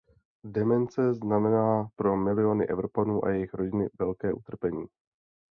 Demence znamená pro miliony Evropanů a jejich rodiny velké utrpení.